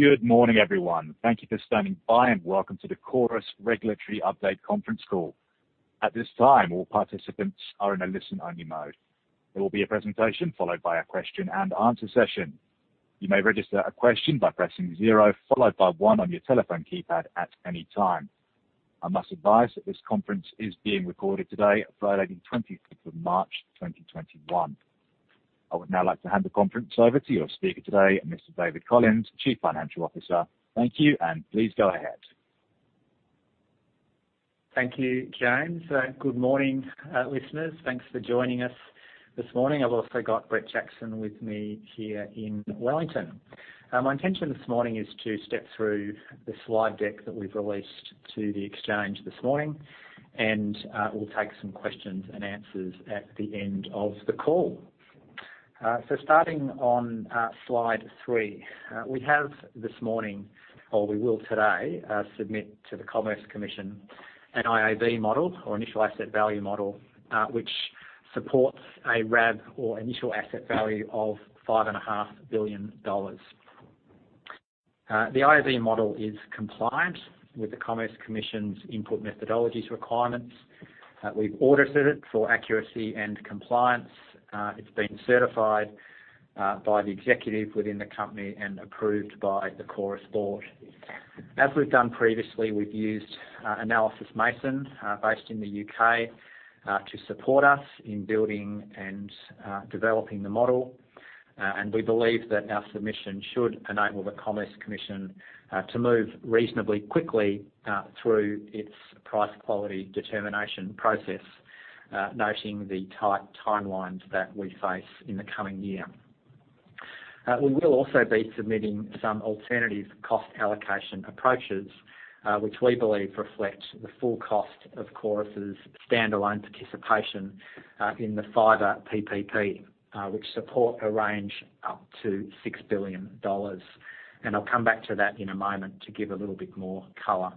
Good morning, everyone. Thank you for standing by and welcome to the Chorus Regulatory Update Conference Call. At this time, all participants are in a listen-only mode. There will be a presentation followed by a question and answer session. You may register a question by pressing zero followed by one on your telephone keypad at any time. I must advise that this conference is being recorded today, Friday the 25th of March 2021. I would now like to hand the conference over to your speaker today, Mr. David Collins, Chief Financial Officer. Thank you, and please go ahead. Thank you, James. Good morning, listeners. Thanks for joining us this morning. I've also got Brett Jackson with me here in Wellington. My intention this morning is to step through the slide deck that we've released to the exchange this morning. We'll take some questions and answers at the end of the call. Starting on slide three. We have this morning, or we will today, submit to the Commerce Commission an IAV model or initial asset value model, which supports a RAB or initial asset value of 5.5 billion dollars. The IAV model is compliant with the Commerce Commission's input methodologies requirements. We've audited it for accuracy and compliance. It's been certified by the executive within the company and approved by the Chorus board. As we've done previously, we've used Analysys Mason, based in the U.K., to support us in building and developing the model. We believe that our submission should enable the Commerce Commission to move reasonably quickly through its price-quality determination process, noting the tight timelines that we face in the coming year. We will also be submitting some alternative cost allocation approaches, which we believe reflect the full cost of Chorus's standalone participation in the fibre PPP, which support a range up to 6 billion dollars. I'll come back to that in a moment to give a little bit more color.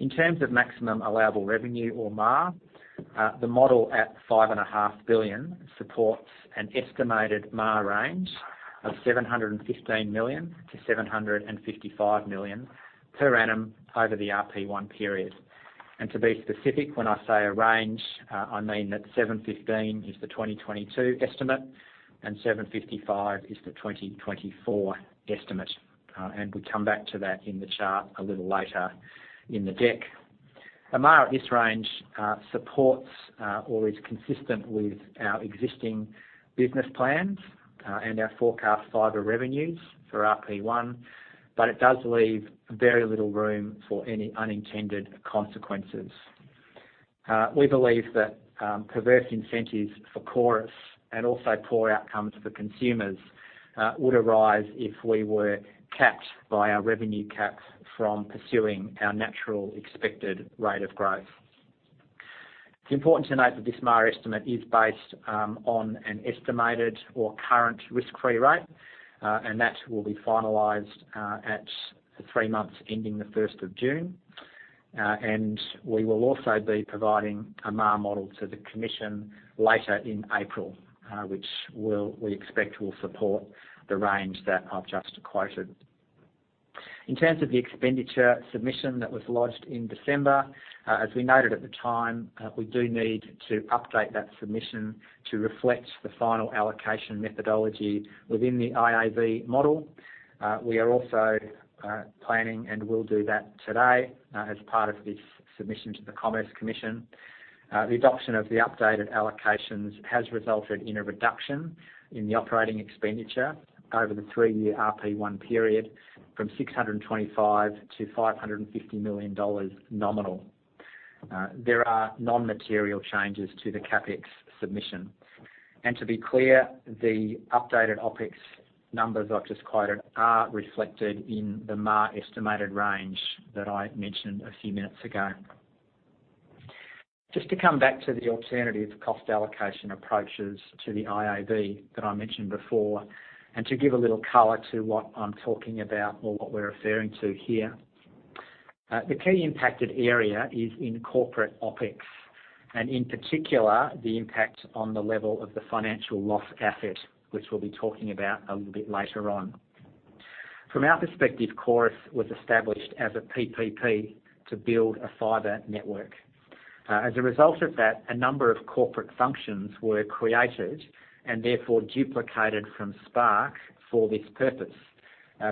In terms of Maximum Allowable Revenue or MAR, the model at 5.5 billion supports an estimated MAR range of 715 million to 755 million per annum over the RP1 period. To be specific, when I say a range, I mean that 715 is the 2022 estimate and 755 is the 2024 estimate. We come back to that in the chart a little later in the deck. A MAR at this range supports or is consistent with our existing business plans and our forecast fiber revenues for RP1, but it does leave very little room for any unintended consequences. We believe that perverse incentives for Chorus and also poor outcomes for consumers would arise if we were capped by our revenue caps from pursuing our natural expected rate of growth. It's important to note that this MAR estimate is based on an estimated or current risk-free rate, and that will be finalized at the three months ending the 1st of June. We will also be providing a MAR model to the commission later in April, which we expect will support the range that I've just quoted. In terms of the expenditure submission that was lodged in December, as we noted at the time, we do need to update that submission to reflect the final allocation methodology within the IAV model. We are also planning, and will do that today as part of this submission to the Commerce Commission. The adoption of the updated allocations has resulted in a reduction in the operating expenditure over the three-year RP1 period from 625 million to 550 million dollars nominal. There are non-material changes to the CapEx submission. To be clear, the updated OpEx numbers I've just quoted are reflected in the MAR estimated range that I mentioned a few minutes ago. To come back to the alternative cost allocation approaches to the IAV that I mentioned before, and to give a little color to what I'm talking about or what we're referring to here. The key impacted area is in corporate OpEx, and in particular, the impact on the level of the financial loss asset, which we'll be talking about a little bit later on. From our perspective, Chorus was established as a PPP to build a fiber network. As a result of that, a number of corporate functions were created and therefore duplicated from Spark for this purpose.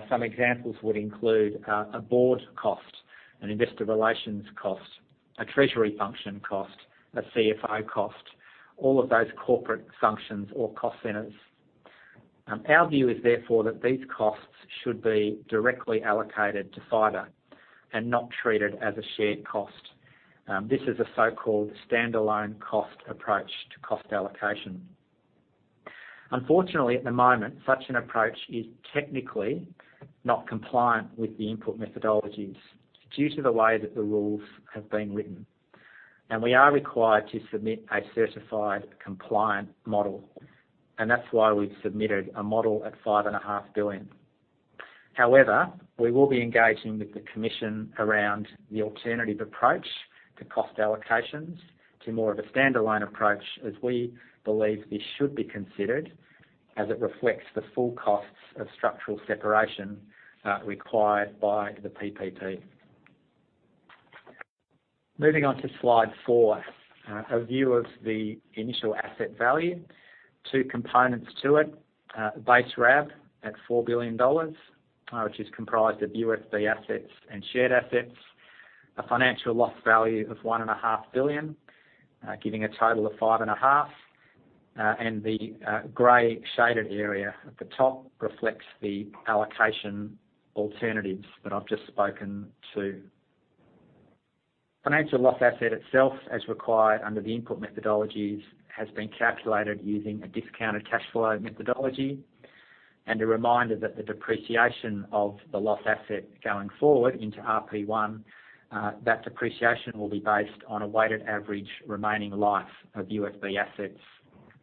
Some examples would include a board cost, an investor relations cost, a treasury function cost, a CFO cost, all of those corporate functions or cost centers. Our view is therefore that these costs should be directly allocated to fiber and not treated as a shared cost. This is a so-called standalone cost approach to cost allocation. Unfortunately, at the moment, such an approach is technically not compliant with the input methodologies due to the way that the rules have been written. We are required to submit a certified compliant model, and that's why we've submitted a model at 5.5 billion. However, we will be engaging with the Commission around the alternative approach to cost allocations to more of a standalone approach, as we believe this should be considered as it reflects the full costs of structural separation required by the PPT. Moving on to slide four, a view of the Initial Asset Value. Two components to it. Base RAB at 4 billion dollars, which is comprised of UFB assets and shared assets. A financial loss asset of 1.5 billion, giving a total of 5.5 billion. The gray shaded area at the top reflects the allocation alternatives that I've just spoken to. Financial loss asset itself, as required under the input methodologies, has been calculated using a discounted cash flow methodology and a reminder that the depreciation of the loss asset going forward into RP1, that depreciation will be based on a weighted average remaining life of UFB assets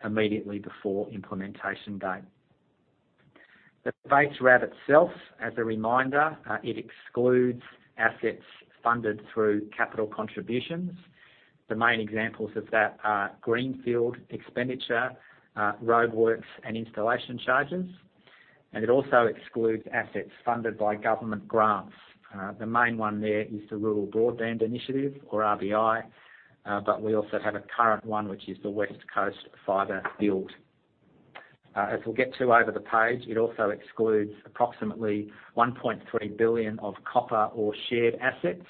immediately before implementation date. The base RAB itself, as a reminder, it excludes assets funded through capital contributions. The main examples of that are greenfield expenditure, roadworks, and installation charges. It also excludes assets funded by government grants. The main one there is the Rural Broadband Initiative, or RBI. We also have a current one, which is the West Coast Fiber Build. As we'll get to over the page, it also excludes approximately 1.3 billion of copper or shared assets,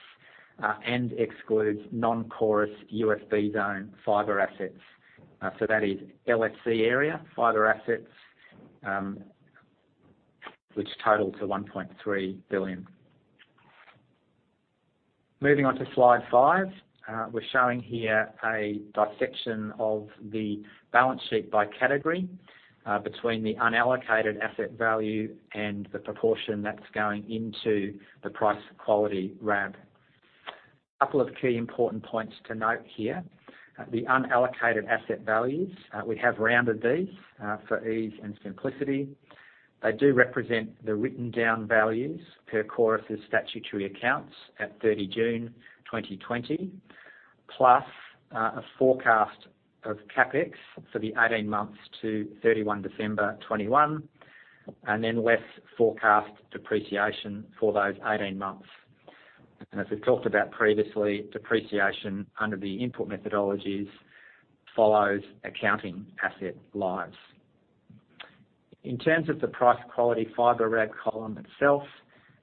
and excludes non-Chorus UFB zone fibre assets. That is LFC area fibre assets, which total to 1.3 billion. Moving on to slide five. We're showing here a dissection of the balance sheet by category between the unallocated asset value and the proportion that's going into the price-quality RAB. Couple of key important points to note here. The unallocated asset values, we have rounded these for ease and simplicity. They do represent the written-down values per Chorus's statutory accounts at 30 June 2020, plus a forecast of CapEx for the 18 months to 31 December 2021, and then less forecast depreciation for those 18 months. As we've talked about previously, depreciation under the Input Methodologies follows accounting asset lives. In terms of the price quality fiber RAB column itself,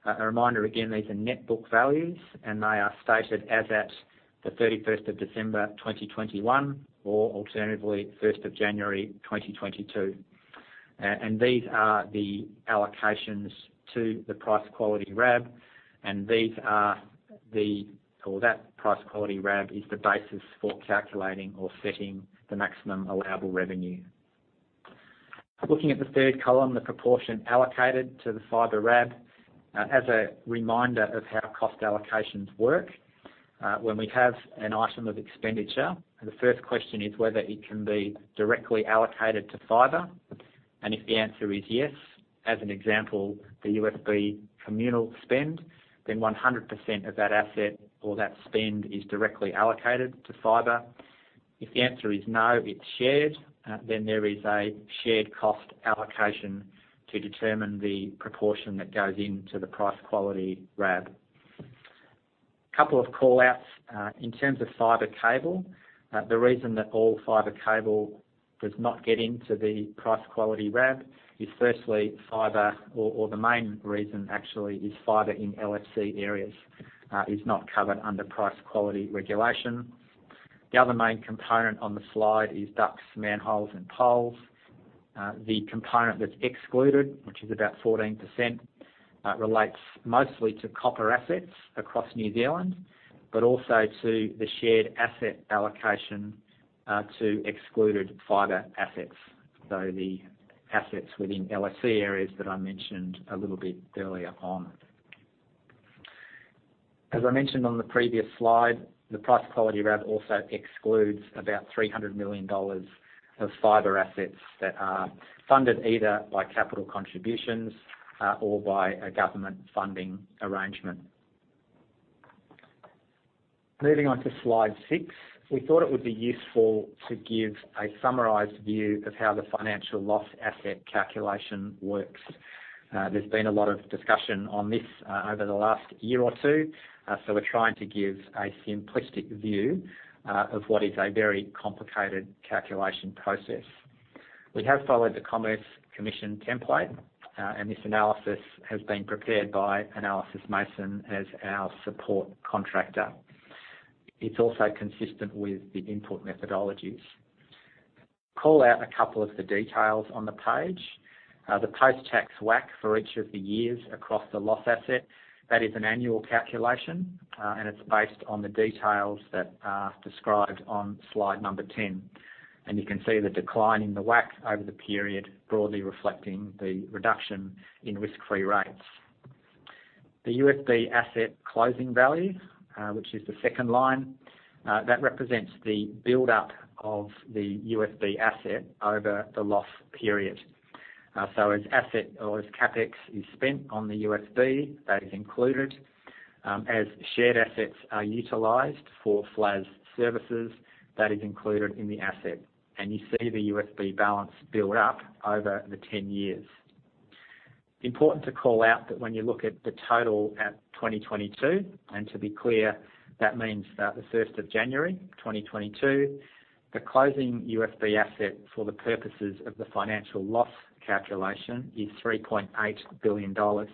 a reminder, again, these are net book values, and they are stated as at the 31st of December 2021, or alternatively, 1st of January 2022. These are the allocations to the price quality RAB, and that price quality RAB is the basis for calculating or setting the Maximum Allowable Revenue. Looking at the third column, the proportion allocated to the fiber RAB. As a reminder of how cost allocations work, when we have an item of expenditure, the first question is whether it can be directly allocated to fiber. If the answer is yes, as an example, the UFB communal spend, then 100% of that asset or that spend is directly allocated to fiber. If the answer is no, it's shared, then there is a shared cost allocation to determine the proportion that goes into the price-quality RAB. Couple of call-outs. In terms of fibre cable, the reason that all fibre cable does not get into the price-quality RAB is firstly, or the main reason actually is fibre in LFC areas is not covered under price-quality regulation. The other main component on the slide is ducts, manholes, and poles. The component that's excluded, which is about 14%, relates mostly to copper assets across New Zealand, but also to the shared asset allocation to excluded fibre assets. The assets within LFC areas that I mentioned a little bit earlier on. As I mentioned on the previous slide, the price quality RAB also excludes about 300 million dollars of fibre assets that are funded either by capital contributions or by a government funding arrangement. Moving on to slide six. We thought it would be useful to give a summarized view of how the financial loss asset calculation works. There's been a lot of discussion on this over the last year or two, so we're trying to give a simplistic view of what is a very complicated calculation process. We have followed the Commerce Commission template, and this analysis has been prepared by Analysys Mason as our support contractor. It's also consistent with the input methodologies. Call out a couple of the details on the page. The post-tax WACC for each of the years across the loss asset. That is an annual calculation, and it's based on the details that are described on slide number 10. You can see the decline in the WACC over the period, broadly reflecting the reduction in risk-free rates. The UFB asset closing value, which is the second line, that represents the build-up of the UFB asset over the loss period. As asset or as CapEx is spent on the UFB, that is included. As shared assets are utilized for FFLAS services, that is included in the asset, and you see the UFB balance build up over the 10 years. Important to call out that when you look at the total at 2022, and to be clear, that means that the 1st of January 2022, the closing UFB asset for the purposes of the financial loss calculation is 3.8 billion dollars.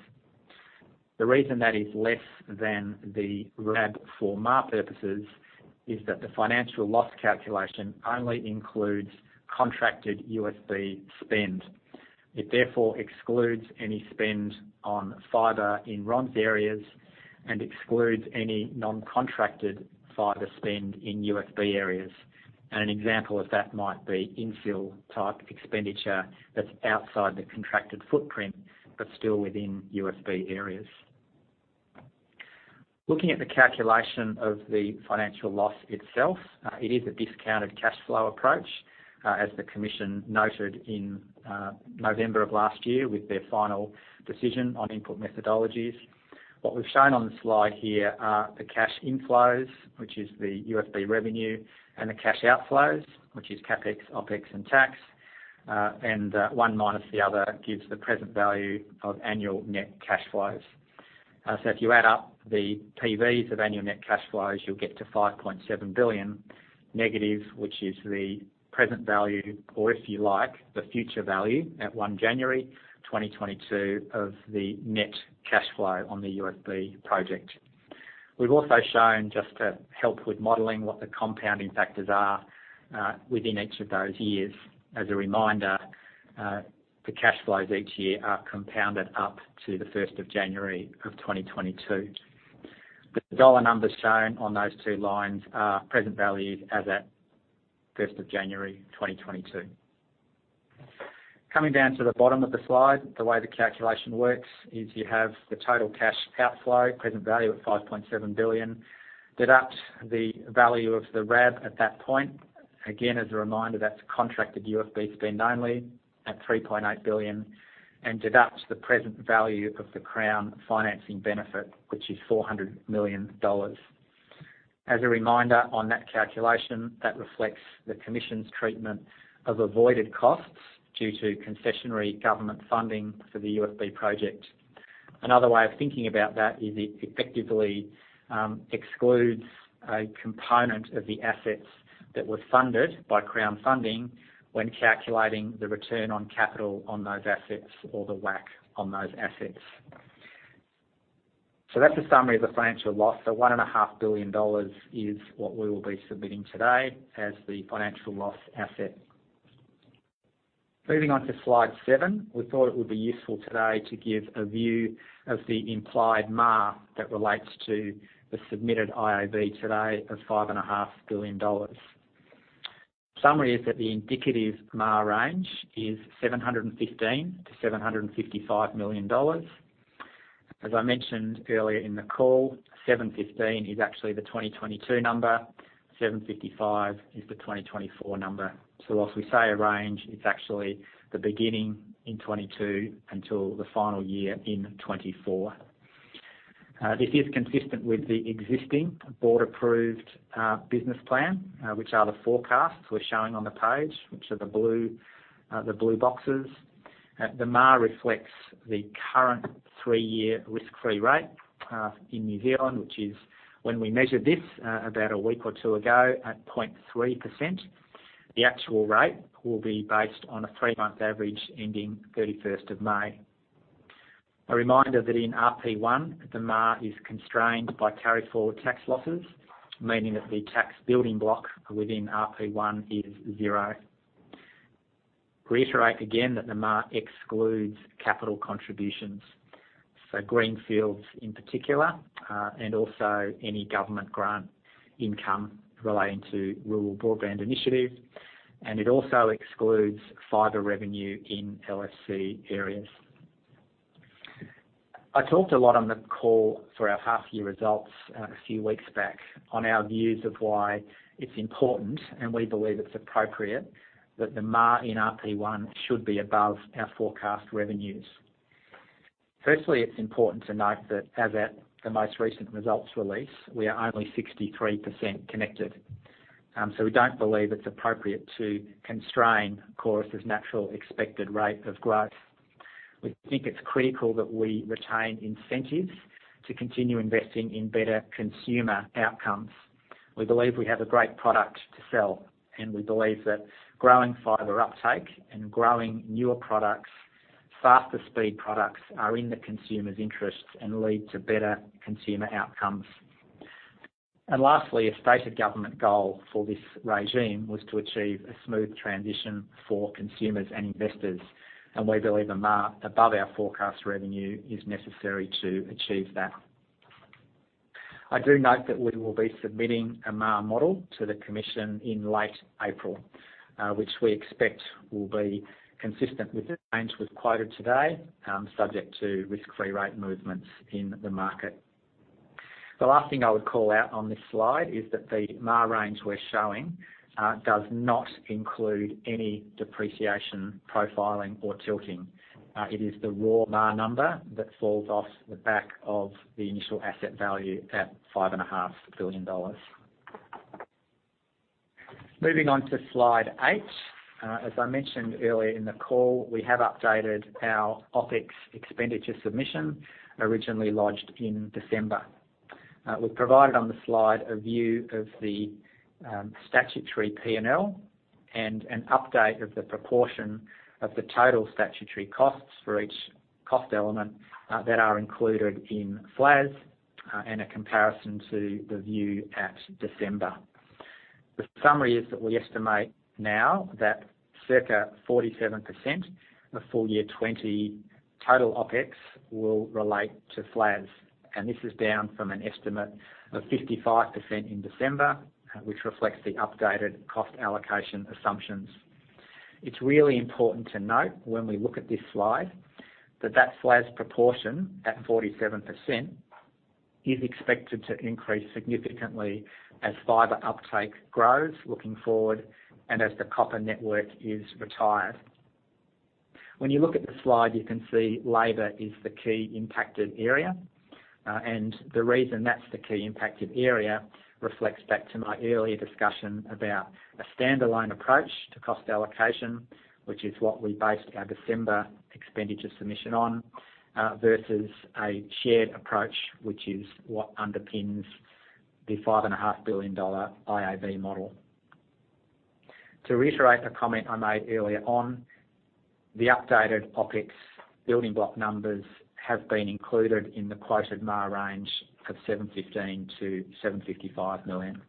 The reason that is less than the RAB for MAR purposes is that the financial loss calculation only includes contracted UFB spend. It therefore excludes any spend on fibre in RONZ areas and excludes any non-contracted fibre spend in UFB areas. An example of that might be infill type expenditure that's outside the contracted footprint, but still within UFB areas. Looking at the calculation of the financial loss itself, it is a discounted cash flow approach, as the Commission noted in November of last year with their final decision on input methodologies. What we've shown on the slide here are the cash inflows, which is the UFB revenue, and the cash outflows, which is CapEx, OpEx, and tax. One minus the other gives the present value of annual net cash flows. If you add up the PVs of annual net cash flows, you'll get to 5.7 billion negative, which is the present value, or if you like, the future value at 1 January 2022 of the net cash flow on the UFB project. We've also shown just to help with modeling what the compounding factors are within each of those years. As a reminder, the cash flows each year are compounded up to the 1 January 2022. The dollar numbers shown on those two lines are present values as at 1 January 2022. Coming down to the bottom of the slide, the way the calculation works is you have the total cash outflow present value of 5.7 billion, deduct the value of the RAB at that point. Again, as a reminder, that's contracted UFB spend only at 3.8 billion. Deduct the present value of the Crown financing benefit, which is 400 million dollars. As a reminder on that calculation, that reflects the commission's treatment of avoided costs due to concessionary government funding for the UFB project. Another way of thinking about that is it effectively excludes a component of the assets that were funded by Crown funding when calculating the return on capital on those assets or the WACC on those assets. That's a summary of the financial loss. 1.5 billion dollars is what we will be submitting today as the financial loss asset. Moving on to slide seven. We thought it would be useful today to give a view of the implied MAR that relates to the submitted IAV today of 5.5 billion dollars. Summary is that the indicative MAR range is 715 million-755 million dollars. As I mentioned earlier in the call, 715 is actually the 2022 number, 755 is the 2024 number. Whilst we say a range, it's actually the beginning in 2022 until the final year in 2024. This is consistent with the existing board-approved business plan, which are the forecasts we're showing on the page, which are the blue boxes. The MAR reflects the current three-year risk-free rate in New Zealand, which is when we measured this about a week or two ago at 0.3%. The actual rate will be based on a three-month average ending 31st of May. A reminder that in RP1, the MAR is constrained by carry forward tax losses, meaning that the tax building block within RP1 is zero. Reiterates again that the MAR excludes capital contributions, greenfields in particular, and also any government grant income relating to Rural Broadband Initiative. It also excludes fibre revenue in LFC areas. I talked a lot on the call for our half year results a few weeks back on our views of why it's important, and we believe it's appropriate that the MAR in RP1 should be above our forecast revenues. It's important to note that as at the most recent results release, we are only 63% connected. We don't believe it's appropriate to constrain Chorus's natural expected rate of growth. We think it's critical that we retain incentives to continue investing in better consumer outcomes. We believe we have a great product to sell, and we believe that growing fibre uptake and growing newer products, faster speed products, are in the consumer's interests and lead to better consumer outcomes. Lastly, a stated government goal for this regime was to achieve a smooth transition for consumers and investors, and we believe a MAR above our forecast revenue is necessary to achieve that. I do note that we will be submitting a MAR model to the Commission in late April, which we expect will be consistent with the range we've quoted today, subject to risk-free rate movements in the market. The last thing I would call out on this slide is that the MAR range we're showing does not include any depreciation profiling or tilting. It is the raw MAR number that falls off the back of the Initial Asset Value at 5.5 billion dollars. Moving on to slide eight. As I mentioned earlier in the call, we have updated our OpEx expenditure submission, originally lodged in December. We've provided on the slide a view of the statutory P&L and an update of the proportion of the total statutory costs for each cost element that are included in FLAHS and a comparison to the view at December. The summary is that we estimate now that circa 47% of full year 2020 total OpEx will relate to FLAHS, and this is down from an estimate of 55% in December, which reflects the updated cost allocation assumptions. It's really important to note when we look at this slide, that that FLAHS proportion at 47% is expected to increase significantly as fiber uptake grows looking forward and as the copper network is retired. When you look at the slide, you can see labor is the key impacted area. The reason that's the key impacted area reflects back to my earlier discussion about a standalone approach to cost allocation, which is what we based our December expenditure submission on, versus a shared approach, which is what underpins the 5.5 billion dollar IAV model. To reiterate a comment I made earlier on, the updated OpEx building block numbers have been included in the quoted MAR range of 715 million-755 million.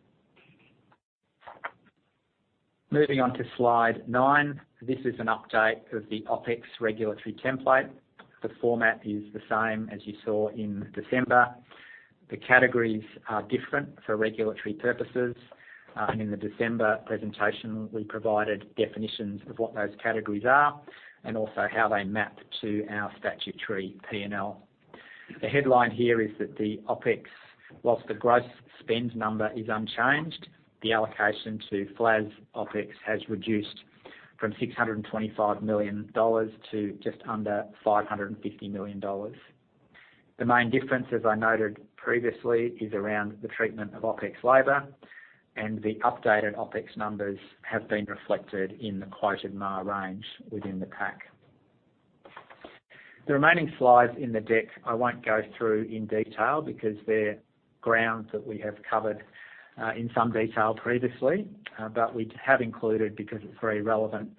Moving on to slide nine. This is an update of the OpEx regulatory template. The format is the same as you saw in December. The categories are different for regulatory purposes. In the December presentation, we provided definitions of what those categories are and also how they map to our statutory P&L. The headline here is that the OpEx, whilst the gross spend number is unchanged, the allocation to FFLAS OpEx has reduced from 625 million dollars to just under 550 million dollars. The main difference, as I noted previously, is around the treatment of OpEx labor, and the updated OpEx numbers have been reflected in the quoted MAR range within the pack. The remaining slides in the deck I won't go through in detail because they're grounds that we have covered in some detail previously. We have included, because it's very relevant,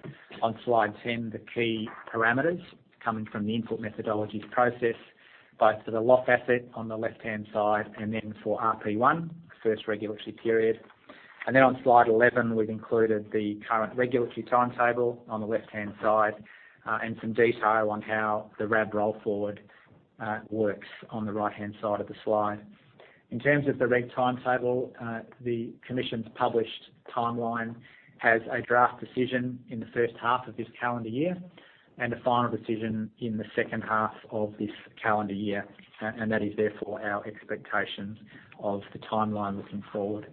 on slide 10, the key parameters coming from the input methodologies process, both for the loss asset on the left-hand side and then for RP1, first regulatory period. On slide 11, we've included the current regulatory timetable on the left-hand side and some detail on how the RAB roll forward works on the right-hand side of the slide. In terms of the reg timetable, the commission's published timeline has a draft decision in the first half of this calendar year and a final decision in the second half of this calendar year. That is therefore our expectation of the timeline looking forward.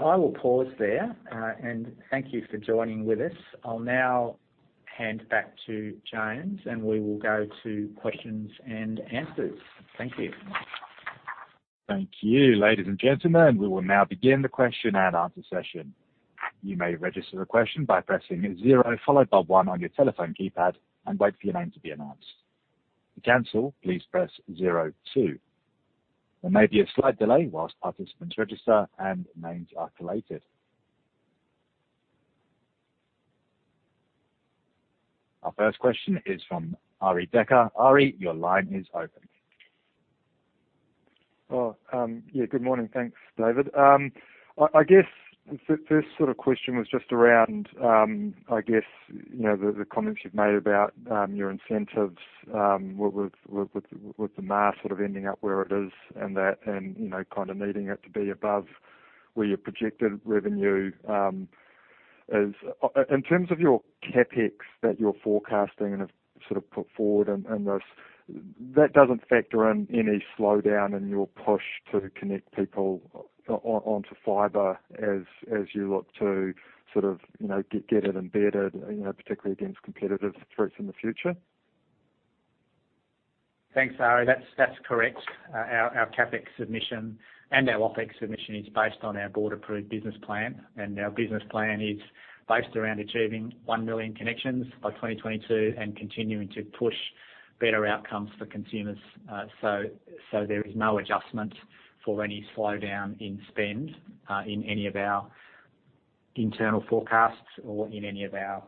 I will pause there, and thank you for joining with us. I'll now hand back to James, and we will go to questions and answers. Thank you. Thank you. Ladies and gentlemen, we will now begin the question and answer session. You may register a question by pressing zero followed by one on your telephone keypad and wait for your name to be announced. To cancel, please press zero, two. There may be a slight delay whilst participants register and names are collated. Our first question is from Arie Dekker. Ari, your line is open. Good morning. Thanks, David. I guess the first question was just around the comments you've made about your incentives with the MAR ending up where it is and that, kind of needing it to be above where your projected revenue is. In terms of your CapEx that you're forecasting and have put forward in this, that doesn't factor in any slowdown in your push to connect people onto fibre as you look to get it embedded, particularly against competitive threats in the future? Thanks, Arie. That's correct. Our CapEx submission and our OpEx submission is based on our board-approved business plan. Our business plan is based around achieving 1 million connections by 2022 and continuing to push better outcomes for consumers. There is no adjustment for any slowdown in spend in any of our internal forecasts or in any of our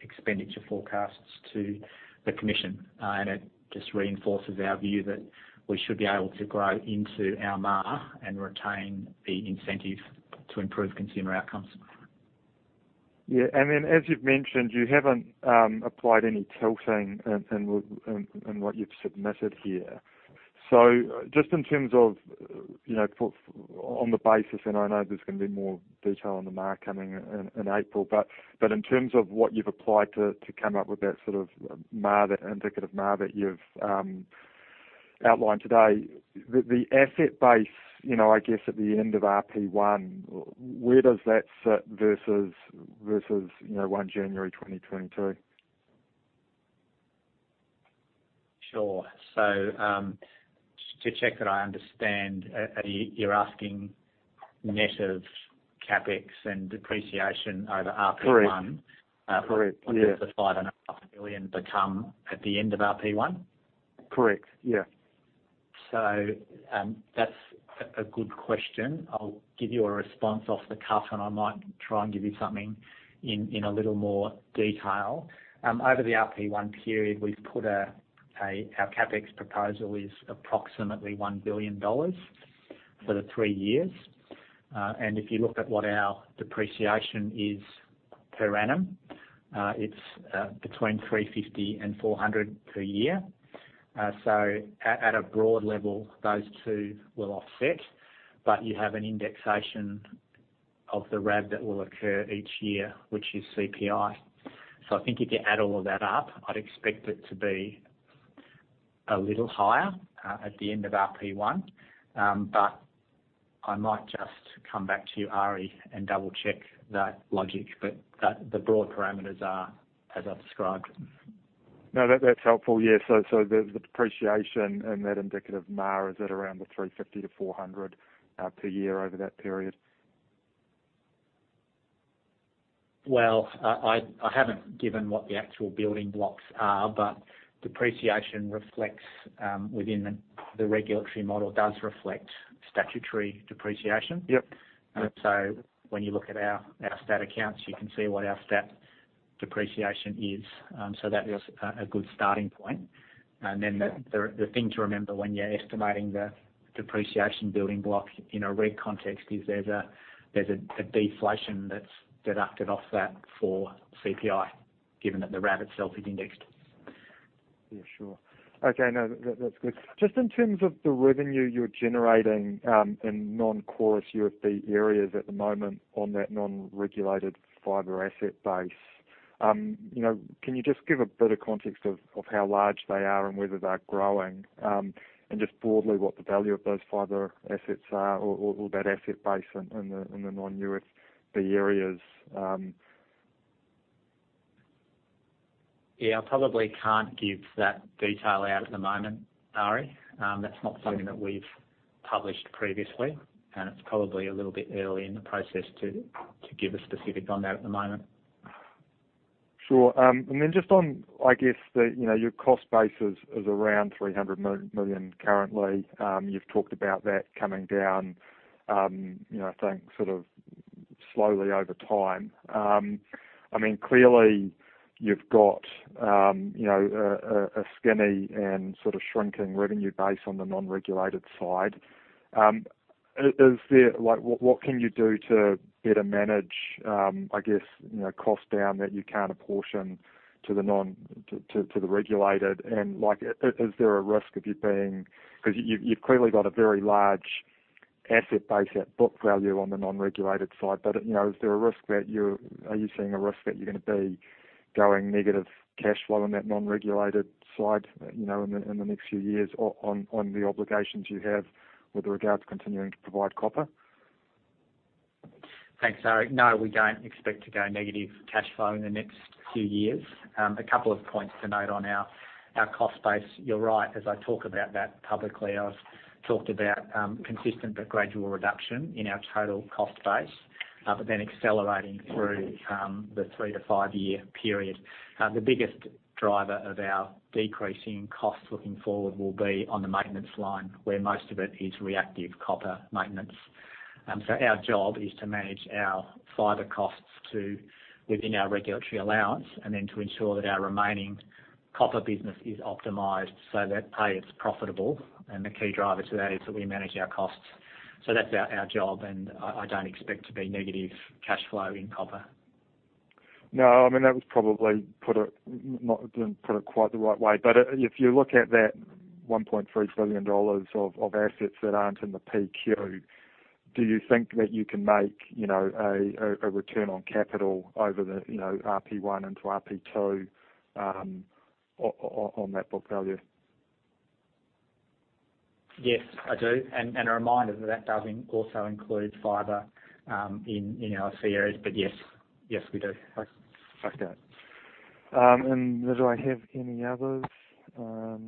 expenditure forecasts to the Commission. It just reinforces our view that we should be able to grow into our MAR and retain the incentive to improve consumer outcomes. As you've mentioned, you haven't applied any tilting in what you've submitted here. On the basis, and I know there's going to be more detail on the MAR coming in April, but in terms of what you've applied to come up with that indicative MAR that you've outlined today, the asset base, I guess, at the end of RP1, where does that sit versus 1 January 2022? Sure. Just to check that I understand, are you asking net of CapEx and depreciation over RP1? Correct. Yeah. the 5.5 billion become at the end of RP1? Correct. Yeah. That's a good question. I'll give you a response off the cuff, and I might try and give you something in a little more detail. Over the RP1 period, our CapEx proposal is approximately 1 billion dollars for the three years. If you looked at what our depreciation is per annum, it's between 350 and 400 per year. At a broad level, those two will offset, but you have an indexation of the RAB that will occur each year, which is CPI. I think if you add all of that up, I'd expect it to be a little higher, at the end of RP1. I might just come back to you, Arie, and double-check that logic. The broad parameters are as I've described. No, that's helpful. Yeah. The depreciation and that indicative MAR is at around 350-400 per year over that period. Well, I haven't given what the actual building blocks are, but depreciation within the regulatory model does reflect statutory depreciation. Yep. When you look at our stat accounts, you can see what our stat depreciation is. That is a good starting point. Then the thing to remember when you're estimating the depreciation building block in a reg context is there's a deflation that's deducted off that for CPI, given that the RAB itself is indexed. Yeah, sure. Okay, no, that's good. Just in terms of the revenue you're generating in non-Chorus UFB areas at the moment on that non-regulated fiber asset base. Can you just give a bit of context of how large they are and whether they're growing? Just broadly what the value of those fiber assets are or that asset base in the non-UFB areas? Yeah, I probably can't give that detail out at the moment, Arie. That's not something that we've published previously, and it's probably a little bit early in the process to give a specific on that at the moment. Sure. Just on, I guess, your cost base is around 300 million currently. You've talked about that coming down I think sort of slowly over time. Clearly you've got a skinny and sort of shrinking revenue base on the non-regulated side. What can you do to better manage, I guess, costs down that you can't apportion to the regulated? Is there a risk of you being Because you've clearly got a very large asset base at book value on the non-regulated side. Are you seeing a risk that you're going to be going negative cash flow on that non-regulated side in the next few years on the obligations you have with regard to continuing to provide copper? Thanks, Arie. No, we don't expect to go negative cash flow in the next few years. A couple of points to note on our cost base. You're right, as I talk about that publicly, I've talked about consistent but gradual reduction in our total cost base. Accelerating through the three to five-year period. The biggest driver of our decreasing costs looking forward will be on the maintenance line, where most of it is reactive copper maintenance. Our job is to manage our fiber costs to within our regulatory allowance and then to ensure that our remaining copper business is optimized so that, A, it's profitable, and the key driver to that is that we manage our costs. That's our job, and I don't expect to be negative cash flow in copper. No, that was probably not put it quite the right way. If you look at that 1.3 trillion dollars of assets that aren't in the PQ, do you think that you can make a return on capital over the RP1 into RP2 on that book value? Yes, I do. A reminder that does also include fiber in our C areas. Yes. Yes, we do. Okay. Do I have any others? No,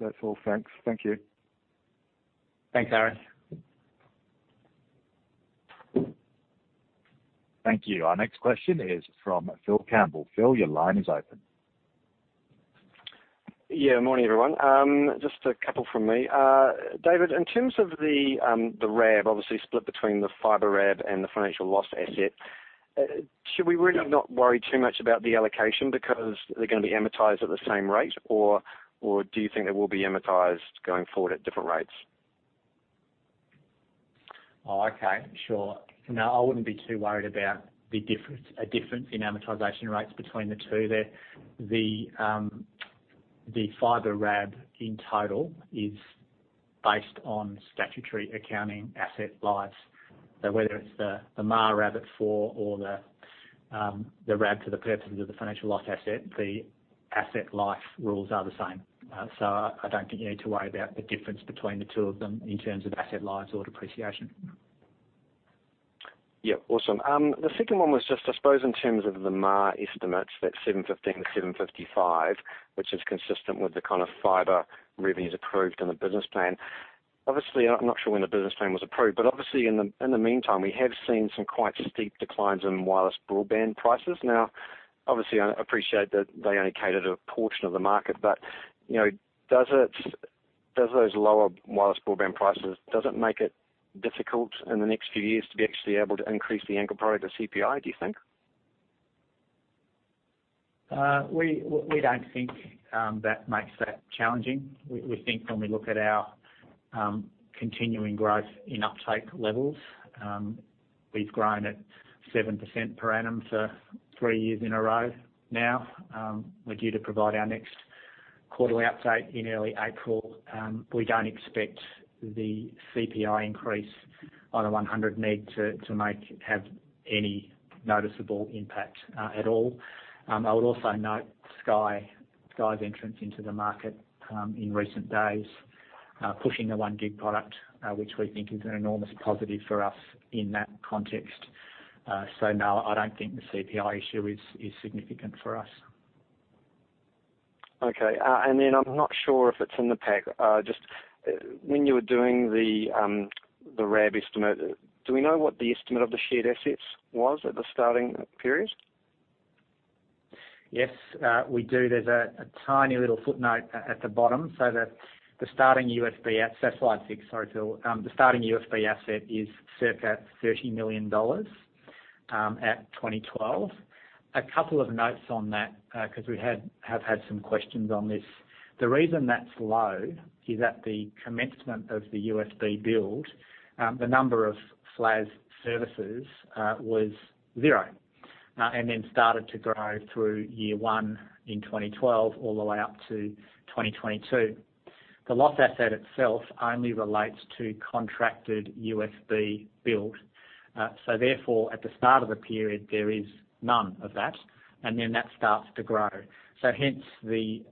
that's all. Thanks. Thank you. Thanks, Arie. Thank you. Our next question is from Phil Campbell. Phil, your line is open. Morning, everyone. Just a couple from me. David, in terms of the RAB, obviously split between the fibre RAB and the financial loss asset. Should we really not worry too much about the allocation because they're going to be amortized at the same rate? Or do you think they will be amortized going forward at different rates? Oh, okay. Sure. No, I wouldn't be too worried about a difference in amortization rates between the two there. The fibre RAB in total is based on statutory accounting asset lives. Whether it's the MAR RAB at four or the RAB to the purposes of the financial loss asset, the asset life rules are the same. I don't think you need to worry about the difference between the two of them in terms of asset lives or depreciation. Yeah. Awesome. The second one was just, I suppose in terms of the MAR estimates, that's 715-755, which is consistent with the kind of fibre revenues approved in the business plan. Obviously, I'm not sure when the business plan was approved, but obviously in the meantime, we have seen some quite steep declines in wireless broadband prices. Now, obviously, I appreciate that they only catered a portion of the market, but does those lower wireless broadband prices, does it make difficult in the next few years to be actually able to increase the ARPU to CPI, do you think? We don't think that makes that challenging. We think when we look at our continuing growth in uptake levels, we've grown at 7% per annum for three years in a row now. We're due to provide our next quarterly update in early April. We don't expect the CPI increase on the 100 meg to have any noticeable impact at all. I would also note Sky's entrance into the market in recent days, pushing the one gig product, which we think is an enormous positive for us in that context. No, I don't think the CPI issue is significant for us. Okay. I'm not sure if it's in the pack. Just when you were doing the RAB estimate, do we know what the estimate of the shared assets was at the starting period? Yes, we do. There's a tiny little footnote at the bottom. That's slide six. Sorry, Phil. The starting UFB asset is circa 30 million dollars at 2012. A couple of notes on that, because we have had some questions on this. The reason that's low is at the commencement of the UFB build, the number of FFLAS services was zero, and then started to grow through year one in 2012 all the way up to 2022. The loss asset itself only relates to contracted UFB build. Therefore, at the start of the period, there is none of that, and then that starts to grow. Hence the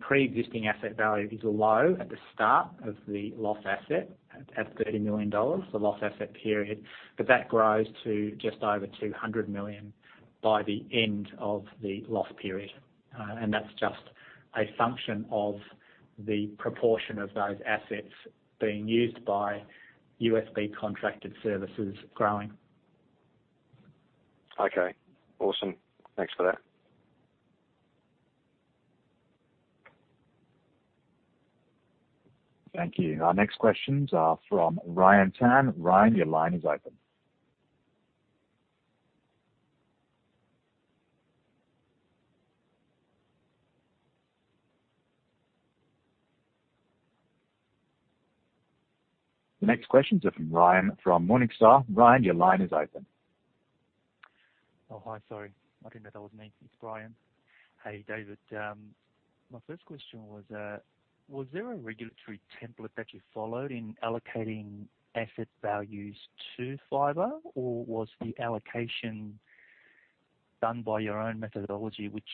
pre-existing asset value is low at the start of the loss asset at 30 million dollars, the loss asset period, that grows to just over 200 million by the end of the loss period. That's just a function of the proportion of those assets being used by UFB contracted services growing. Okay, awesome. Thanks for that. Thank you. Our next questions are from Ryan Tan. Ryan, your line is open. The next questions are from Ryan from Morningstar. Ryan, your line is open. Oh, hi. Sorry. I didn't know that was me. It's Ryan. Hey, David. My first question was there a regulatory template that you followed in allocating asset values to fiber? Was the allocation done by your own methodology, which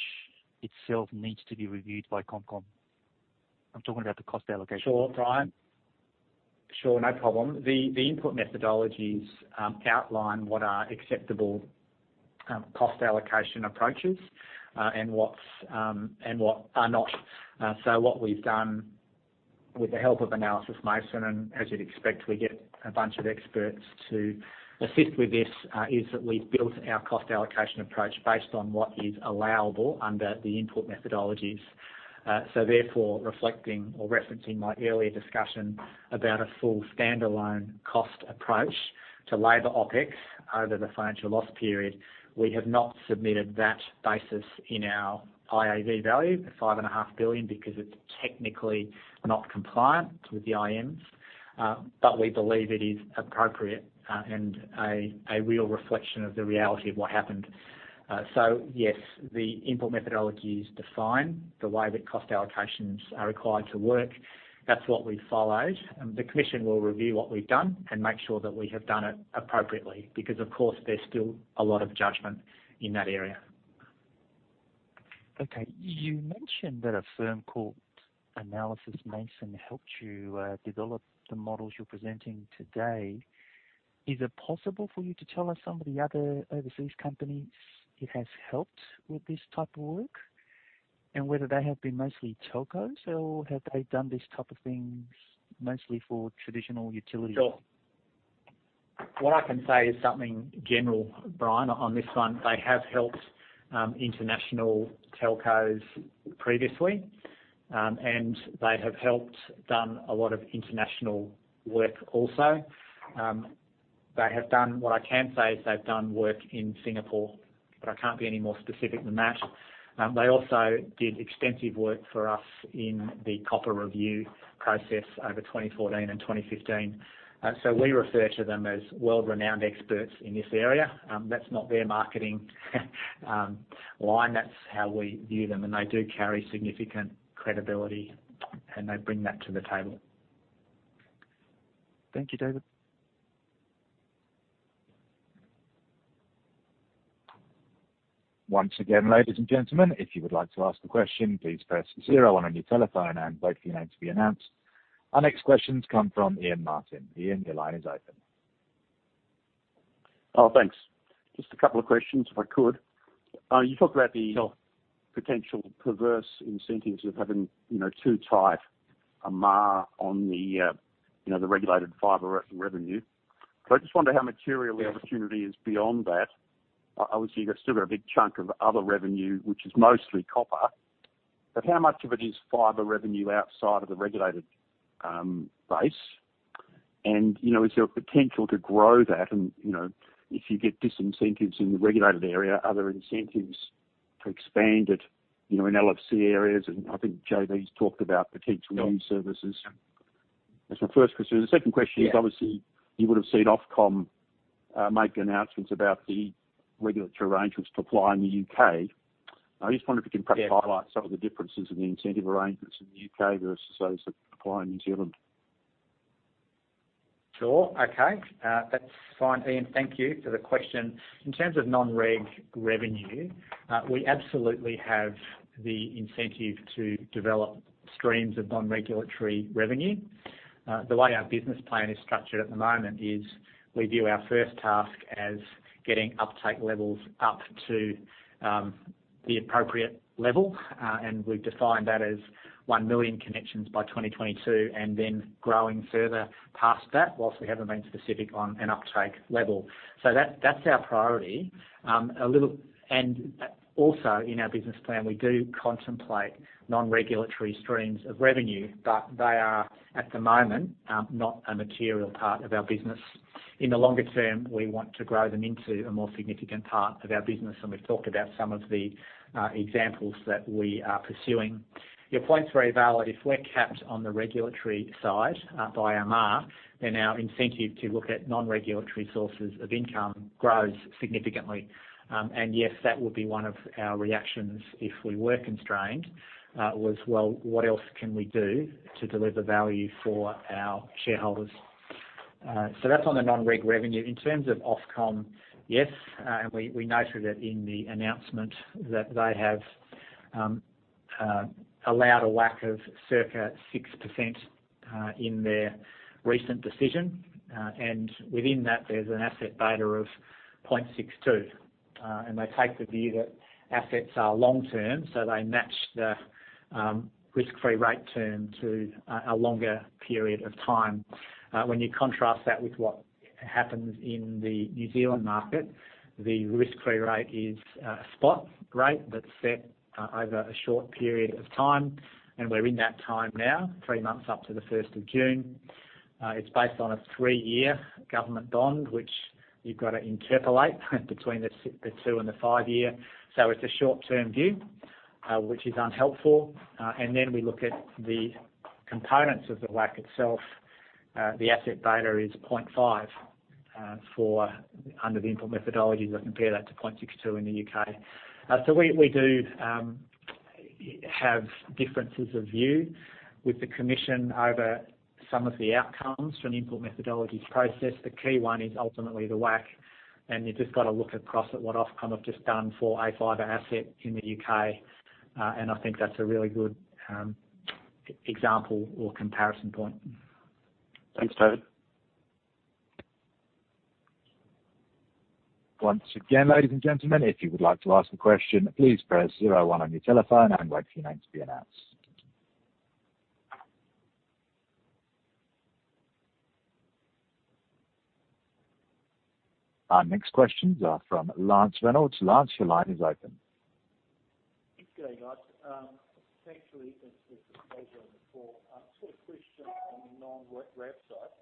itself needs to be reviewed by ComCom? I'm talking about the cost allocation. Sure, Ryan. Sure, no problem. The input methodologies outline what are acceptable cost allocation approaches, and what are not. What we've done with the help of Analysys Mason, and as you'd expect, we get a bunch of experts to assist with this, is that we've built our cost allocation approach based on what is allowable under the input methodologies. Therefore, reflecting or referencing my earlier discussion about a full standalone cost approach to labor OpEx over the financial loss period, we have not submitted that basis in our IAV value of five and a half billion because it's technically not compliant with the IMs. We believe it is appropriate and a real reflection of the reality of what happened. Yes, the input methodologies define the way that cost allocations are required to work. That's what we followed. The Commission will review what we've done and make sure that we have done it appropriately because, of course, there's still a lot of judgment in that area. Okay. You mentioned that a firm called Analysys Mason helped you develop the models you're presenting today. Is it possible for you to tell us some of the other overseas companies it has helped with this type of work? Whether they have been mostly telcos, or have they done these type of thinpgs mostly for traditional utilities? Sure. What I can say is something general, Brian, on this one. They have helped international telcos previously, and they have done a lot of international work also. They have done work in Singapore, I can't be any more specific than that. They also did extensive work for us in the copper review process over 2014 and 2015. We refer to them as world-renowned experts in this area. That's not their marketing line. That's how we view them, and they do carry significant credibility, and they bring that to the table. Thank you, David. Once again, ladies and gentlemen, if you would like to ask a question, please press zero on your telephone and wait for your name to be announced. Our next questions come from Ian Martin. Ian, your line is open. Oh, thanks. Just a couple of questions, if I could. Sure potential perverse incentives of having too tight a MAR on the regulated fibre revenue. I just wonder how material the opportunity is beyond that. Obviously, you've still got a big chunk of other revenue, which is mostly copper. How much of it is fibre revenue outside of the regulated base? Is there potential to grow that? If you get disincentives in the regulated area, are there incentives to expand it, in LFC areas? I think JB's talked about potential new services. That's my first question. The second question is- Yeah You would've seen Ofcom make announcements about the regulatory arrangements to apply in the U.K. I just wondered if you can perhaps. Yeah highlight some of the differences in the incentive arrangements in the U.K. versus those that apply in New Zealand. Sure, okay. That's fine, Ian. Thank you for the question. In terms of non-reg revenue, we absolutely have the incentive to develop streams of non-regulatory revenue. The way our business plan is structured at the moment is we view our first task as getting uptake levels up to the appropriate level, and we've defined that as 1 million connections by 2022 and then growing further past that, whilst we haven't been specific on an uptake level. That's our priority. Also in our business plan, we do contemplate non-regulatory streams of revenue, but they are, at the moment, not a material part of our business. In the longer term, we want to grow them into a more significant part of our business, and we've talked about some of the examples that we are pursuing. Your point's very valid. If we're capped on the regulatory side by MAR, then our incentive to look at non-regulatory sources of income grows significantly. Yes, that would be one of our reactions if we were constrained, was, well, what else can we do to deliver value for our shareholders? That's on the non-reg revenue. In terms of Ofcom, yes, we noted it in the announcement that they have allowed a WACC of circa 6% in their recent decision. Within that, there's an asset beta of 0.62. They take the view that assets are long-term, so they match the risk-free rate term to a longer period of time. You contrast that with what happens in the New Zealand market, the risk-free rate is a spot rate that's set over a short period of time, and we're in that time now, three months up to the 1st of June. It's based on a three-year government bond, which you've got to interpolate between the two and the five-year. It's a short-term view, which is unhelpful. Then we look at the components of the WACC itself. The asset beta is 0.5 under the input methodologies. I compare that to 0.62 in the U.K. We do have differences of view with the Commission over some of the outcomes from the input methodologies process. The key one is ultimately the WACC, and you've just got to look across at what Ofcom have just done for a fiber asset in the U.K. I think that's a really good example or comparison point. Thanks, Todd. Once again, ladies and gentlemen, if you would like to ask a question, please press zero one on your telephone and wait for your name to be announced. Our next questions are from Lance Reynolds. Lance, your line is open. Good day, guys. Thanks for the call. Sort of question on the non-reg side.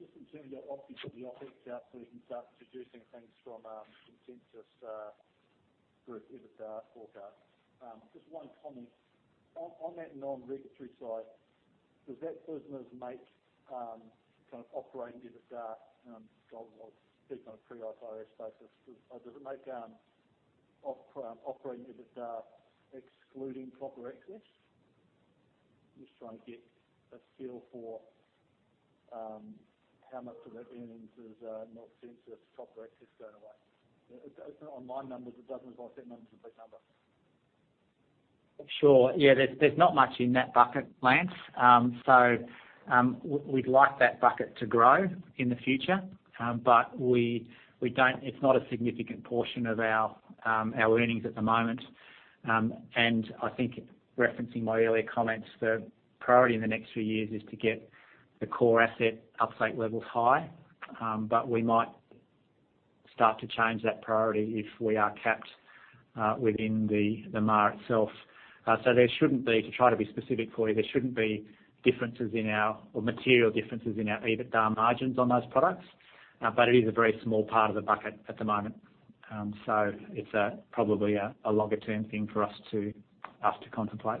Just in terms of obviously the OpEx outflow and start deducing things from consensus group, EBITDA forecast. Just one comment. On that non-regulatory side, does that furthermore make kind of operating EBITDA, speaking on a pre-IFRS basis, does it make operating EBITDA excluding copper access? I'm just trying to get a feel for how much of that earnings is not consensus copper access going away. On my numbers, it doesn't look like that number's a big number. Sure. Yeah, there's not much in that bucket, Lance. We'd like that bucket to grow in the future. It's not a significant portion of our earnings at the moment. I think referencing my earlier comments, the priority in the next few years is to get the core asset uptake levels high. We might start to change that priority if we are capped within the MAR itself. There shouldn't be, to try to be specific for you, there shouldn't be differences in our or material differences in our EBITDA margins on those products. It is a very small part of the bucket at the moment. It's probably a longer-term thing for us to contemplate.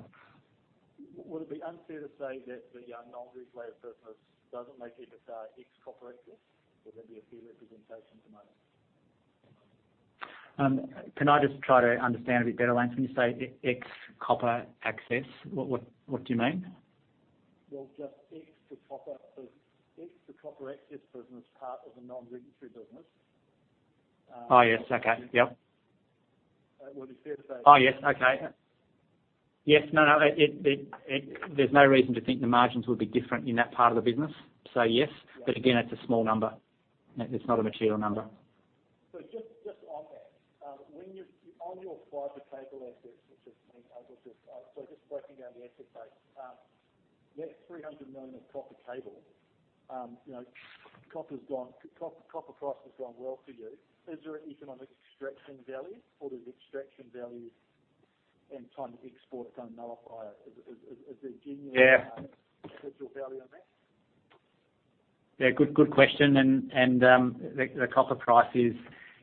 Would it be unfair to say that the non-regulatory business doesn't make EBITDA ex copper access? Would that be a fair representation to make? Can I just try to understand a bit better, Lance, when you say ex copper access, what do you mean? Well, just ex the copper access business part of the non-regulatory business. Oh, yes. Okay. Yep. Would it be fair to say- Oh, yes. Okay. Yes. No, there's no reason to think the margins would be different in that part of the business. Yes. Yes Again, it's a small number. It's not a material number. Just on that, on your fibre cable assets, which is being toggled, so just breaking down the asset base. That 300 million of copper cable, copper price has gone well for you. Is there an economic extraction value or there's extraction value and trying to export it down to nullify it? Is there genuine- Yeah Potential value on that? Yeah, good question. The copper price is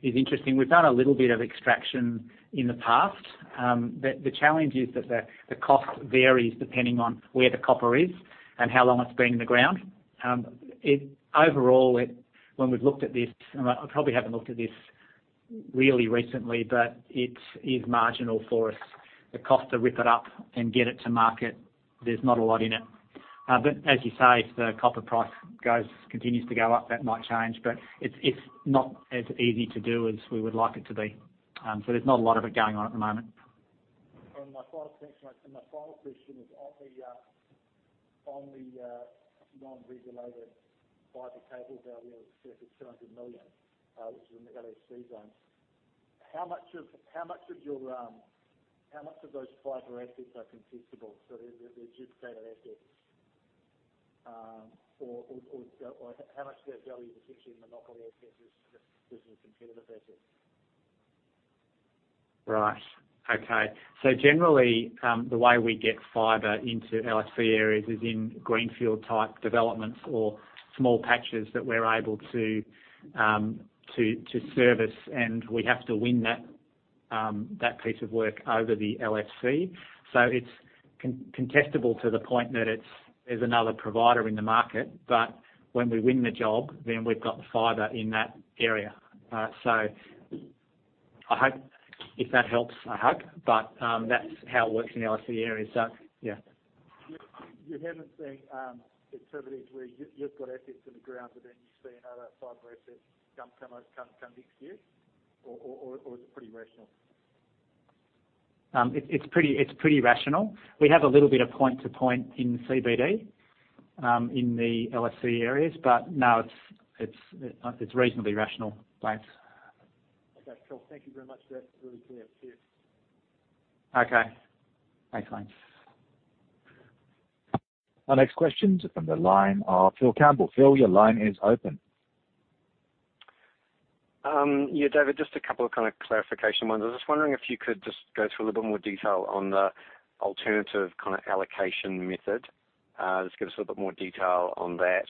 interesting. We've done a little bit of extraction in the past. The challenge is that the cost varies depending on where the copper is and how long it's been in the ground. Overall, when we've looked at this, and I probably haven't looked at this really recently, but it is marginal for us. The cost to rip it up and get it to market, there's not a lot in it. As you say, if the copper price continues to go up, that might change, but it's not as easy to do as we would like it to be. There's not a lot of it going on at the moment. My final question is on the non-regulated fiber cables out there, surface 200 million, which is in the LFC zone. How much of those fiber assets are contestable, so they're adjudicator assets? Or how much of their value is actually monopoly assets versus competitive assets? Right. Okay. Generally, the way we get fibre into LFC areas is in greenfield-type developments or small patches that we're able to service, and we have to win that piece of work over the LFC. It's contestable to the point that there's another provider in the market. When we win the job, then we've got the fibre in that area. I hope, if that helps, I hope, but that's how it works in the LFC area. Yeah. You haven't seen intuitively you've got assets in the ground, but then you see another fiber asset come next year? Is it pretty rational? It's pretty rational. We have a little bit of point to point in CBD, in the LFC areas, but no, it's reasonably rational, Lance. Okay, cool. Thank you very much. That's really clear. Cheers. Okay. Thanks, Lance. Our next question is from the line of Phil Campbell. Phil, your line is open. Yeah, David, just a couple of kind of clarification ones. I was just wondering if you could just go through a little bit more detail on the alternative kind of allocation method. Just give us a little bit more detail on that.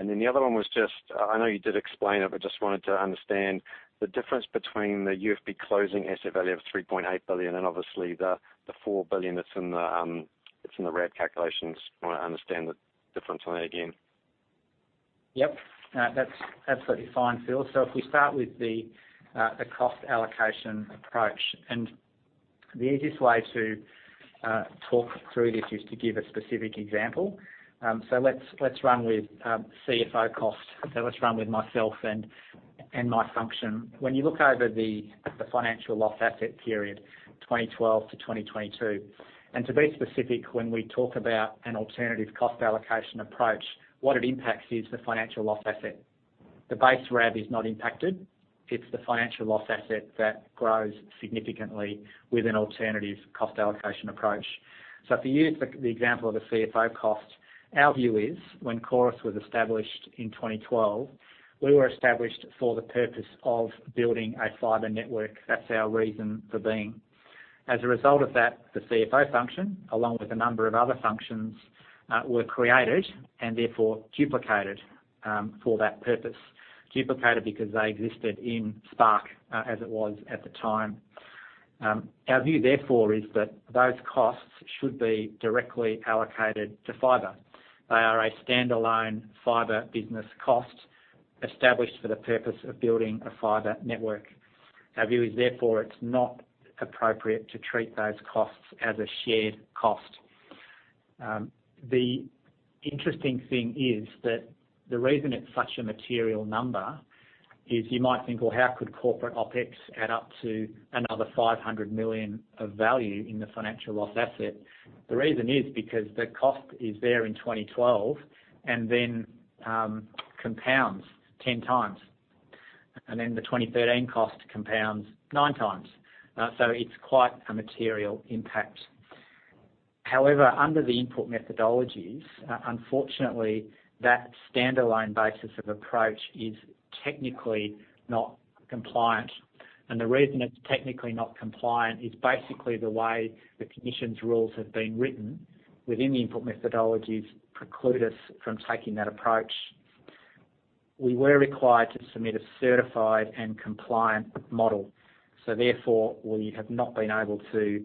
The other one was just, I know you did explain it, but just wanted to understand the difference between the UFB closing asset value of 3.8 billion and obviously the 4 billion that's in the RAB calculations. I want to understand the difference on that again. Yep. That's absolutely fine, Phil. If we start with the cost allocation approach, and the easiest way to talk through this is to give a specific example. Let's run with CFO cost. Let's run with myself and my function. When you look over the financial loss asset period, 2012 to 2022, and to be specific, when we talk about an alternative cost allocation approach, what it impacts is the financial loss asset. The base RAB is not impacted. It's the financial loss asset that grows significantly with an alternative cost allocation approach. If you use the example of a CFO cost, our view is when Chorus was established in 2012, we were established for the purpose of building a fibre network. That's our reason for being. As a result of that, the CFO function, along with a number of other functions, were created and therefore duplicated for that purpose. Duplicated because they existed in Spark as it was at the time. Our view, therefore, is that those costs should be directly allocated to fibre. They are a stand-alone fibre business cost established for the purpose of building a fibre network. Our view is, therefore, it's not appropriate to treat those costs as a shared cost. The interesting thing is that the reason it's such a material number is you might think, "Well, how could corporate OpEx add up to another 500 million of value in the financial loss asset?" The reason is because the cost is there in 2012 and then compounds 10 times. Then the 2013 cost compounds 9x. It's quite a material impact. However, under the input methodologies, unfortunately, that standalone basis of approach is technically not compliant. The reason it's technically not compliant is basically the way the Commission's rules have been written within the input methodologies preclude us from taking that approach. We were required to submit a certified and compliant model. Therefore, we have not been able to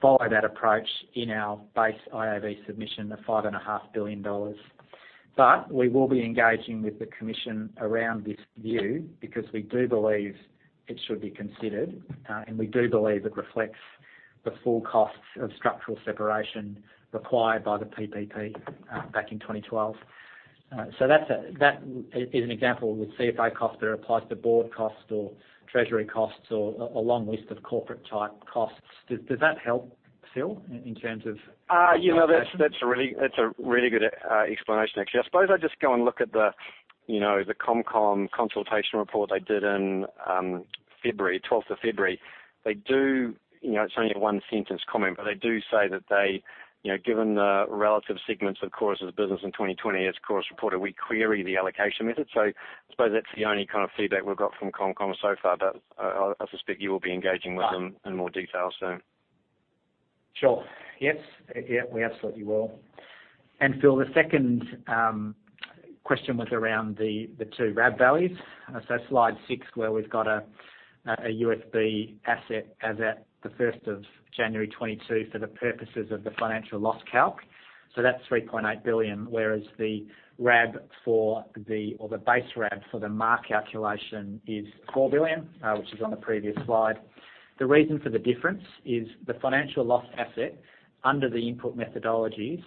follow that approach in our base IAV submission of 5.5 billion dollars. We will be engaging with the Commission around this view because we do believe it should be considered, and we do believe it reflects the full costs of structural separation required by the PPP back in 2012. That is an example with CFA costs that applies to board costs or treasury costs or a long list of corporate-type costs. Does that help, Phil, in terms of? That's a really good explanation, actually. I suppose I'd just go and look at the ComCom consultation report they did on 12th of February. It's only a one-sentence comment, but they do say that given the relative segments of Chorus's business in 2020 as Chorus reported, we query the allocation method. I suppose that's the only kind of feedback we've got from ComCom so far, but I suspect you will be engaging with them in more detail soon. Sure. Yes. We absolutely will. Phil, the second question was around the two RAB values. Slide six, where we've got a UFB asset as at the 1st of January 2022 for the purposes of the financial loss calc. That's 3.8 billion, whereas the base RAB for the MAR calculation is 4 billion, which is on the previous slide. The reason for the difference is the financial loss asset under the input methodologies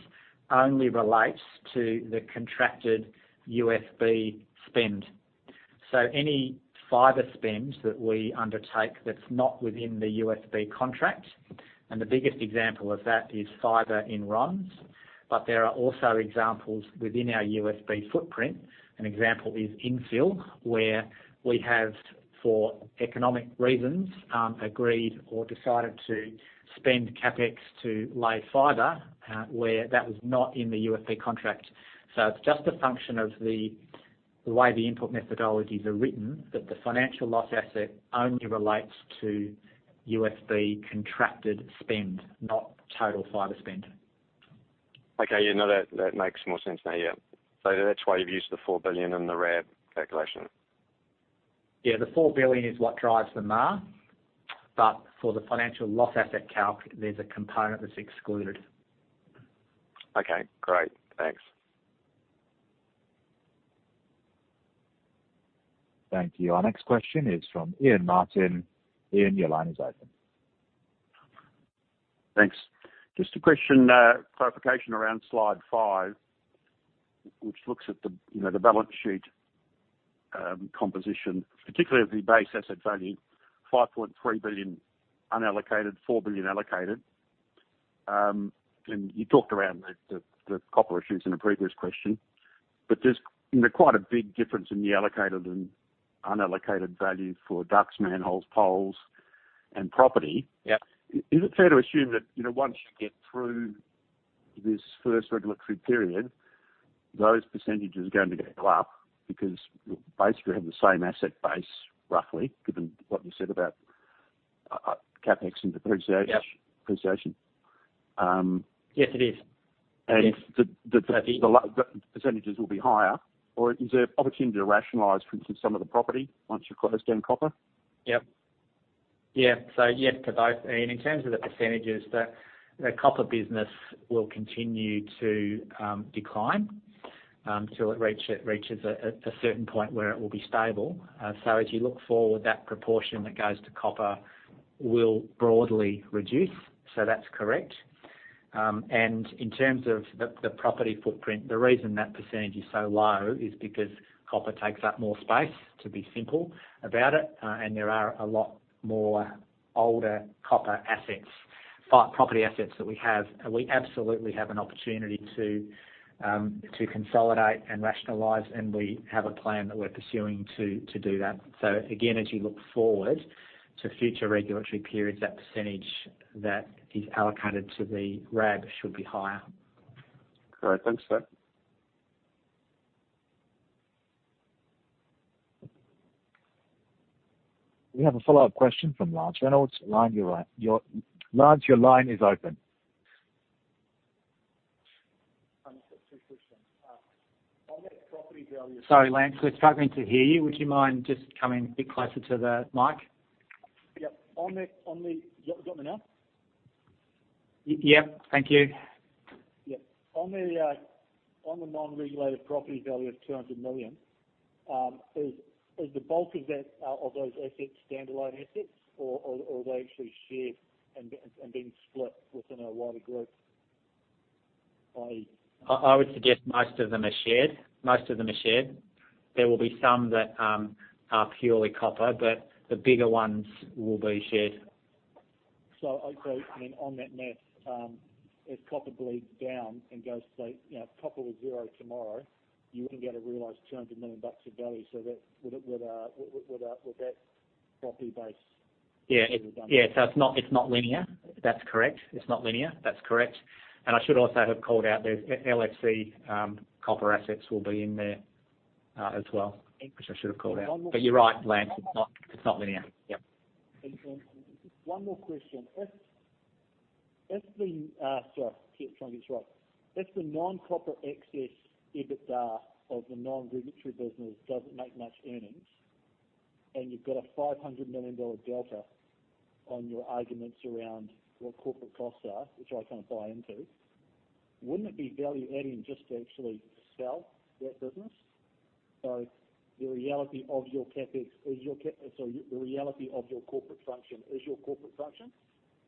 only relates to the contracted UFB spend. Any fiber spends that we undertake that's not within the UFB contract, and the biggest example of that is fiber in RONZ. There are also examples within our UFB footprint. An example is infill, where we have, for economic reasons, agreed or decided to spend CapEx to lay fiber where that was not in the UFB contract. It's just a function of the way the input methodologies are written, that the financial loss asset only relates to UFB contracted spend, not total fiber spend. Okay. Yeah, that makes more sense now. Yeah. That's why you've used the 4 billion in the RAB calculation. Yeah, the 4 billion is what drives the MAR. For the financial loss asset calc, there's a component that's excluded. Okay, great. Thanks. Thank you. Our next question is from Ian Martin. Ian, your line is open. Thanks. Just a question, clarification around slide five, which looks at the balance sheet composition, particularly of the base asset value, 5.3 billion unallocated, 4 billion allocated. You talked around the copper issues in a previous question. There's quite a big difference in the allocated and unallocated value for ducts, manholes, poles, and property. Yeah. Is it fair to assume that once you get through this first regulatory period, those percentages are going to go up because basically, you have the same asset base, roughly, given what you said about CapEx and depreciation? Yes, it is. The percentages will be higher. Is there opportunity to rationalize, for instance, some of the property once you've divested copper? Yep. Yes to both. In terms of the percentages, the copper business will continue to decline till it reaches a certain point where it will be stable. As you look forward, that proportion that goes to copper will broadly reduce. That's correct. In terms of the property footprint, the reason that percentage is so low is because copper takes up more space, to be simple about it. There are a lot more older copper assets, property assets that we have, and we absolutely have an opportunity to consolidate and rationalize, and we have a plan that we're pursuing to do that. Again, as you look forward to future regulatory periods, that percentage that is allocated to the RAB should be higher. All right. Thanks for that. We have a follow-up question from Lance Reynolds. Lance, your line is open. I've got two questions. On that property value. Sorry, Lance, we're struggling to hear you. Would you mind just coming a bit closer to the mic? Yep. You got me now? Yep. Thank you. Yep. On the non-regulated property value of 200 million, is the bulk of those assets standalone assets, or are they actually shared and being split within a wider group? I would suggest most of them are shared. There will be some that are purely copper, but the bigger ones will be shared. On that math. If copper bleeds down and goes like copper was zero tomorrow, you wouldn't be able to realize 200 million bucks of value. Yeah. Everything. Yeah. It's not linear. That's correct. It's not linear. That's correct. I should also have called out there's LFC copper assets will be in there as well, which I should have called out. One more- You're right, Lance, it's not linear. Yep. Just one more question. Trying to get this right, if the non-copper access EBITDA of the non-regulatory business doesn't make much earnings, and you've got a 500 million dollar delta on your arguments around what corporate costs are, which I kind of buy into, wouldn't it be value-adding just to actually sell that business? The reality of your corporate function is your corporate function,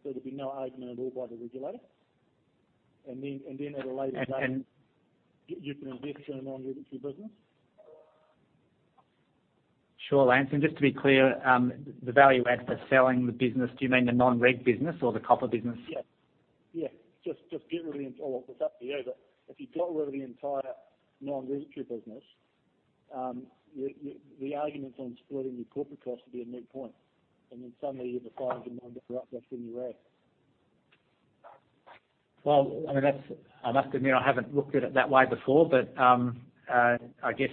so there'll be no argument at all by the regulator. And- You can invest in a non-regulatory business. Sure, Lance. Just to be clear, the value add for selling the business, do you mean the non-reg business or the copper business? Yeah. Just get rid of the Well, it's up to you, but if you got rid of the entire non-regulatory business, the argument on splitting your corporate costs would be a moot point. Suddenly you have a NZD 500 million+ in your hand. Well, I must admit, I haven't looked at it that way before, but I guess,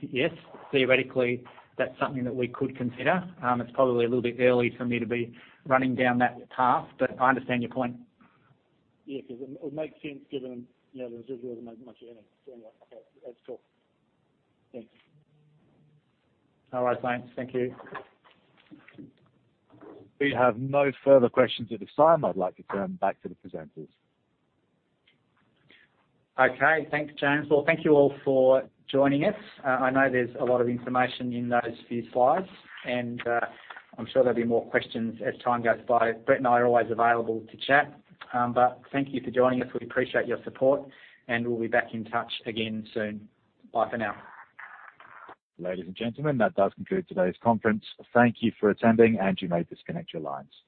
yes, theoretically, that's something that we could consider. It's probably a little bit early for me to be running down that path, but I understand your point. Yeah, because it would make sense given that it doesn't really make much earnings anyway. Okay. That's cool. Thanks. All right, Lance. Thank you. We have no further questions at this time. I'd like to turn back to the presenters. Okay. Thanks, James. Well, thank you all for joining us. I know there's a lot of information in those few slides, and I'm sure there'll be more questions as time goes by. Brett and I are always available to chat. Thank you for joining us. We appreciate your support, and we'll be back in touch again soon. Bye for now. Ladies and gentlemen, that does conclude today's conference. Thank you for attending, and you may disconnect your lines.